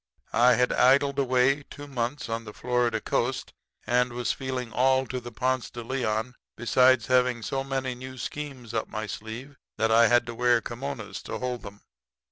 I had idled away two months on the Florida coast, and was feeling all to the Ponce de Leon, besides having so many new schemes up my sleeve that I had to wear kimonos to hold 'em.